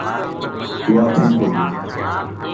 واہ ٹھیک ہو گئی